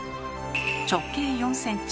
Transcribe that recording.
直径４ｃｍ